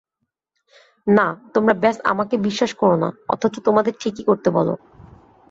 না, তোমরা ব্যস আমাকে বিশ্বাস করো না অথচ তোমাদের ঠিকই করতে বলো।